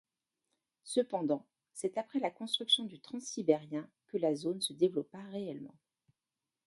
Cependant, c'est après la construction du Transsibérien que la zone se développa réellement.